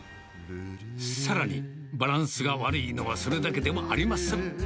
さらに、バランスが悪いのはそれだけでもありません。